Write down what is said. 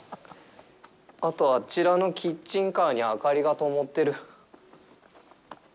あと、あちらのキッチンカーに明かりが灯ってる。